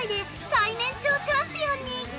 最年長チャンピオンに！